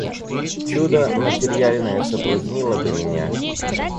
Чудо матерьяльное соблазнило бы меня.